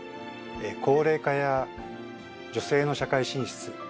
高齢化や女性の社会進出